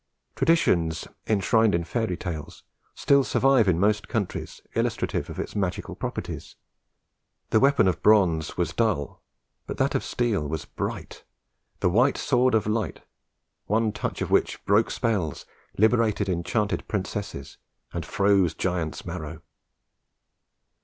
Traditions, enshrined in fairy tales, still survive in most countries, illustrative of its magical properties. The weapon of bronze was dull; but that of steel was bright the "white sword of light," one touch of which broke spells, liberated enchanted princesses, and froze giants' marrow.